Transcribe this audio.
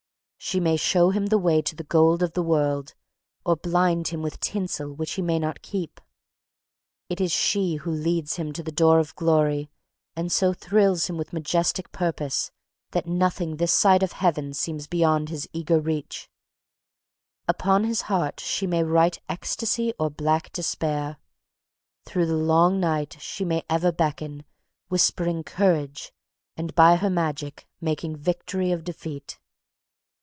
She may show him the way to the gold of the world, or blind him with tinsel which he may not keep. It is she who leads him to the door of glory and so thrills him with majestic purpose, that nothing this side Heaven seems beyond his eager reach. [Sidenote: The Potter's Hand] Upon his heart she may write ecstasy or black despair. Through the long night she may ever beckon, whispering courage, and by her magic making victory of defeat.